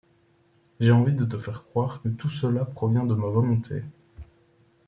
J’ai envie de te faire croire que tout cela provient de ma volonté.